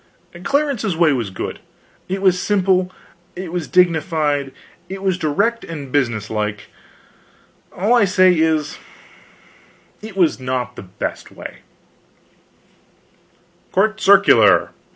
Clarence's way was good, it was simple, it was dignified, it was direct and business like; all I say is, it was not the best way: COURT CIRCULAR.